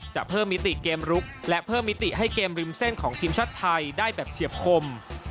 จะเพิ่มมิติเกมลุกและเพิ่มมิติให้เกมริมเส้นของทีมชาติไทยได้แบบเฉียบคม